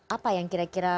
apa yang kira kira